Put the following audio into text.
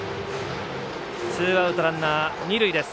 ツーアウト、ランナー、二塁です。